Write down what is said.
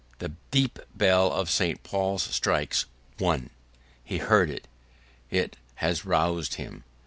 The deep bell of St. Paul's strikes one! He heard it; it has roused him.